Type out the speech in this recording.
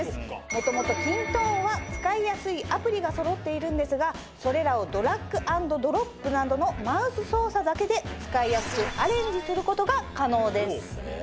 もともとキントーンは使いやすいアプリがそろっているんですがそれらをドラッグ＆ドロップなどのマウス操作だけで使いやすくアレンジすることが可能です。